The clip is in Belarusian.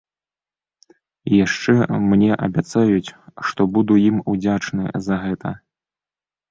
І яшчэ мне абяцаюць, што буду ім удзячны за гэта.